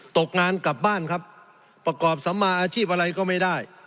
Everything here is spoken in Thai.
ตกงานกลับบ้านครับประกอบสัมมาอาชีพอะไรก็ไม่ได้